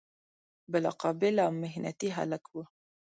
بلا قابل او محنتي هلک و.